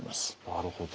なるほど。